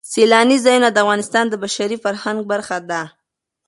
سیلاني ځایونه د افغانستان د بشري فرهنګ برخه ده.